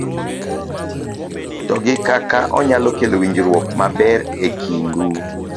to gi kaka onyalo kelo winjruok maber e kind u